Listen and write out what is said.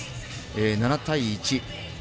７対１。